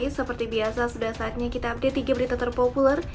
seperti biasa sudah saatnya kita update tiga berita terpopuler